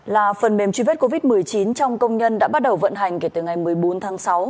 là phần mềm truy vết covid một mươi chín trong công nhân đã bắt đầu vận hành kể từ ngày một mươi bốn tháng sáu